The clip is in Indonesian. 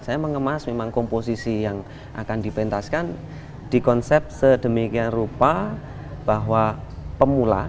saya mengemas memang komposisi yang akan dipentaskan di konsep sedemikian rupa bahwa pemula